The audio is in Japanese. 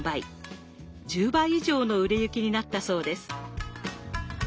１０倍以上の売れ行きになったそうです。